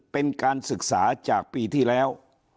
เป็นการศึกษาจากปีที่แล้ว